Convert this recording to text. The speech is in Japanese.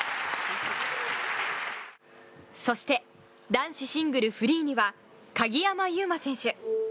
そして、男子シングルフリーには鍵山優真選手。